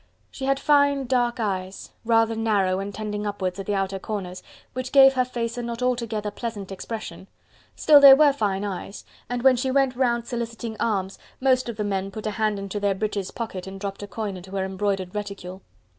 She had fine, dark eyes, rather narrow and tending upwards at the outer corners, which gave her face a not altogether pleasant expression. Still, they were fine eyes, and when she went round soliciting alms, most of the men put a hand into their breeches pocket and dropped a coin into her embroidered reticule.